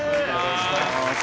お願いします。